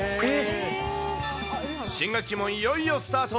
新学期もいよいよスタート。